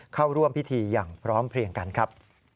เข้าร่วมพิธีอย่างพร้อมเพลียงกันครับ